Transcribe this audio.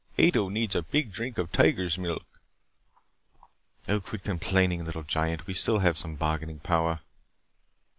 Ato needs a big drink of tiger milk " "Oh, quit complaining, little giant. We still have some bargaining power."